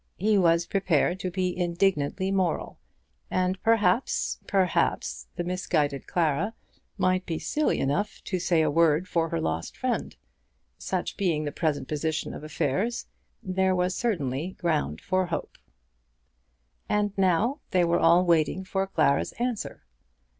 He was prepared to be indignantly moral; and perhaps, perhaps, the misguided Clara might be silly enough to say a word for her lost friend! Such being the present position of affairs, there was certainly ground for hope. And now they were all waiting for Clara's answer.